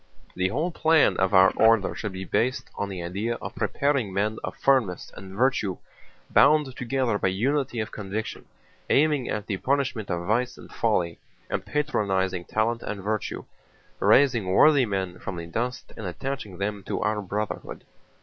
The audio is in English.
"The whole plan of our order should be based on the idea of preparing men of firmness and virtue bound together by unity of conviction—aiming at the punishment of vice and folly, and patronizing talent and virtue: raising worthy men from the dust and attaching them to our Brotherhood.